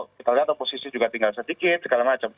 kita lihat oposisi juga tinggal sedikit segala macam